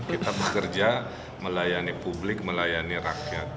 kita bekerja melayani publik melayani rakyat